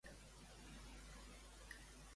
Lano va participar en poques expedicions de guerra?